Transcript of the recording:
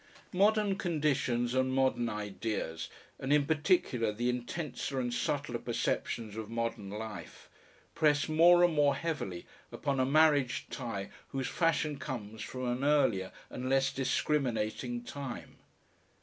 Modern conditions and modern ideas, and in particular the intenser and subtler perceptions of modern life, press more and more heavily upon a marriage tie whose fashion comes from an earlier and less discriminating time.